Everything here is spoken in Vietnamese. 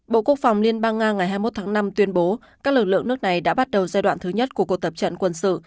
bộ quốc phòng liên bang nga ngày hai mươi một tháng năm tuyên bố các lực lượng nước này đã bắt đầu giai đoạn thứ nhất của cuộc tập trận quân sự